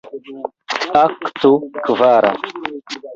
Akto kvara.